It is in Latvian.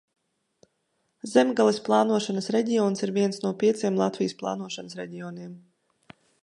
Zemgales plānošanas reģions ir viens no pieciem Latvijas plānošanas reģioniem.